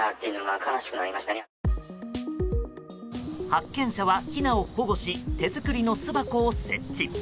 発見者はひなを保護し手作りの巣箱を設置。